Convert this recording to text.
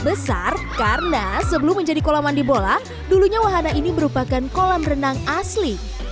besar karena sebelum menjadi kolam mandi bola dulunya wahana ini merupakan kolam renang asli